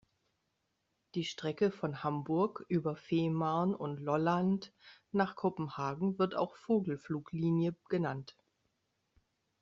Die Strecke von Hamburg über Fehmarn und Lolland nach Kopenhagen wird auch Vogelfluglinie genannt.